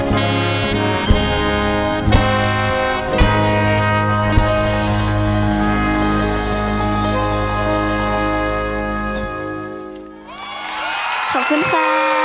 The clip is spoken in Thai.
ขอบคุณค่ะ